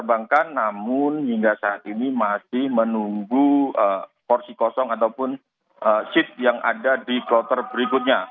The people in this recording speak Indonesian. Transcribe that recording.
perbankan namun hingga saat ini masih menunggu porsi kosong ataupun seat yang ada di kloter berikutnya